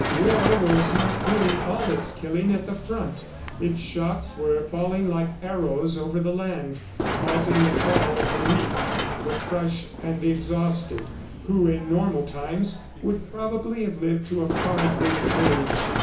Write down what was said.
War was not doing all its killing at the front; its shocks were falling like arrows over the land, causing the fall of the weak, the crushed and the exhausted who, in normal times, would probably have lived to a far greater age.